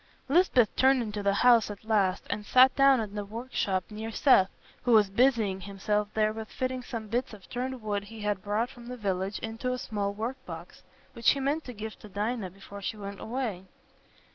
Lisbeth turned into the house at last and sat down in the workshop near Seth, who was busying himself there with fitting some bits of turned wood he had brought from the village into a small work box, which he meant to give to Dinah before she went away.